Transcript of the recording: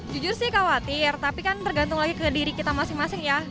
jujur sih khawatir tapi kan tergantung lagi ke diri kita masing masing ya